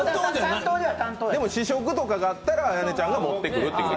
でも試食とかがあったら綾音ちゃんが持ってくるっていう。